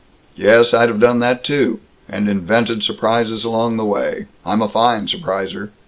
"Yes, I'd have done that, too. And invented surprises along the way. I'm a fine surpriser!